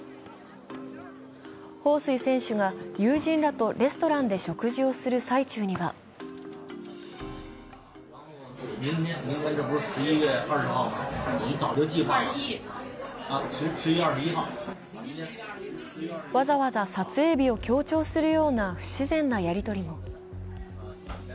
彭帥選手が友人らとレストランで食事をする最中にはわざわざ撮影日を強調するような不自然なやり取り。